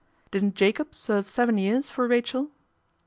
" Didn'1 Jacob serve seven years for Rachel